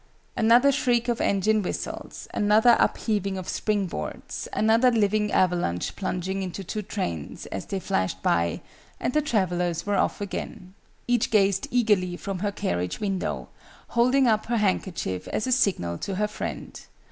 Another shriek of engine whistles, another upheaving of spring boards, another living avalanche plunging into two trains as they flashed by: and the travellers were off again. Each gazed eagerly from her carriage window, holding up her handkerchief as a signal to her friend.